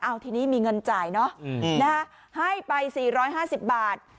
เอาทีนี้มีเงินจ่ายเนอะให้ไป๔๕๐บาท